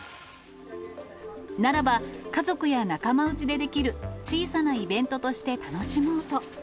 ならば、家族や仲間内でできる小さなイベントとして楽しもうと。